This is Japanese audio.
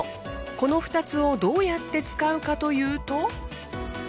この２つをどうやって使うかというと。